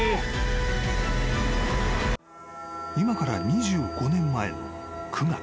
［今から２５年前の９月］